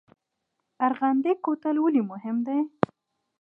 ارغنده کوتل ولې مهم دی؟